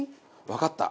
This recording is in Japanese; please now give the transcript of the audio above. わかった。